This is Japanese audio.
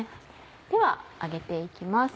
では上げて行きます。